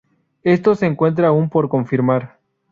Esto se encuentra aún por confirmar.